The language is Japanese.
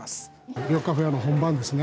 緑化フェアも本番ですね。